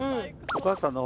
お母さんの。